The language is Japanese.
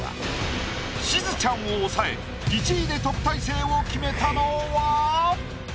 しずちゃんを抑え１位で特待生を決めたのは？